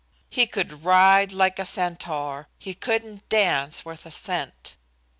He could ride like a centaur; he couldn't dance worth a cent.